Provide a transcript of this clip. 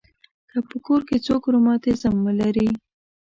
که په کور کې څوک رماتیزم ولري.